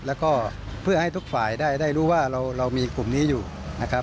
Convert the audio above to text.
แล้วก็เพื่อให้ทุกฝ่ายได้รู้ว่าเรามีกลุ่มนี้อยู่นะครับ